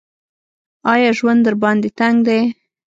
ایا ژوند درباندې تنګ دی ؟